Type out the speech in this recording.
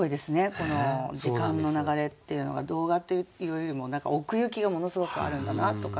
この時間の流れっていうのが動画っていうよりも何か奥行きがものすごくあるんだなと感じました。